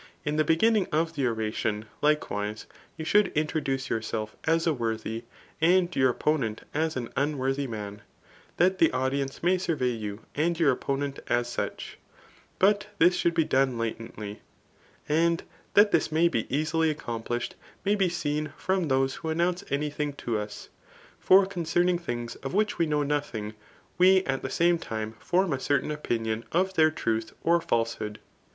In the beginning of the oration, likewise, you should introduce yourself as a worthy, [and your oppo nent as an unworthy] man, that the audience may survey you and your opponent as such. But this should be done latently. And that this may be easily accomplished may be seen from those who announce any thing to us ; for concerning things of which we know nothing, we at the same time form a certain opinion [of their truth or false^ hood.